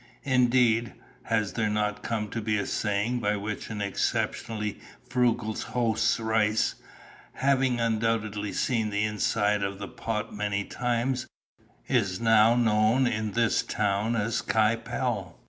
"Indeed, has there not come to be a saying by which an exceptionally frugal host's rice, having undoubtedly seen the inside of the pot many times, is now known in this town as Kai Pel?"